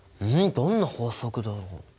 どんな法則だろう？